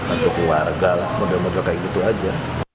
untuk warga lah mudah mudahan kayak gitu aja